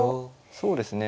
そうですね。